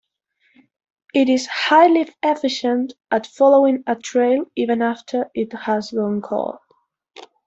It is highly efficient at following a trail even after it has gone cold.